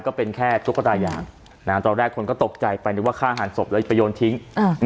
ก็เป็นแค่ตุ๊กตายางตอนแรกคนก็ตกใจไปนึกว่าฆ่าหันศพแล้วจะไปโยนทิ้ง